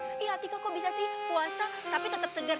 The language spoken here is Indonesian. eh atika kok bisa sih puasa tapi tetep seger